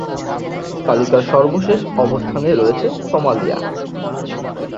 তালিকার সর্বশেষ অবস্থানে রয়েছে সোমালিয়া।